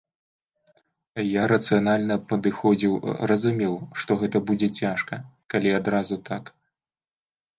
Я рацыянальна падыходзіў, разумеў, што гэта будзе цяжка, калі адразу так.